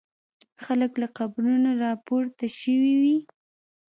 خلک له قبرونو را پورته شوي وي.